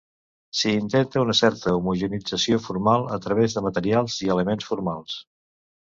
S'hi intenta una certa homogeneïtzació formal a través de materials i elements formals.